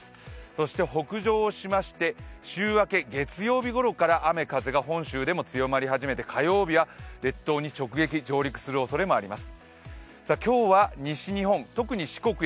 そして北上しまして、週明け月曜日頃から雨・風、本州でも強まり始めて、火曜日には列島に直撃、上陸するおそれもあります。